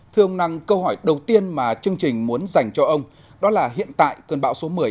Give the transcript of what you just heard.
thưa ông năng câu hỏi đầu tiên mà chương trình muốn dành cho ông đó là hiện tại cơn bão số một mươi